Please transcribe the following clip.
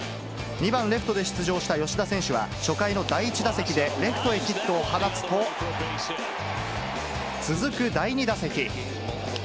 ２番レフトで出場した吉田選手は、初回の第１打席でレフトへヒットを放つと、続く第２打席。